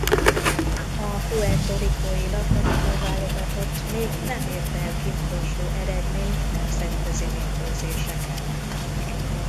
A Puerto Ricó-i labdarúgó-válogatott még nem ért el kimagasló eredményt nemzetközi mérkőzéseken.